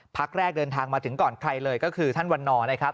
ภักดิ์แรกเดินทางมาถึงก่อนใครเลยก็คือท่านวันนอ